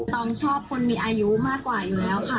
อมชอบคนมีอายุมากกว่าอยู่แล้วค่ะ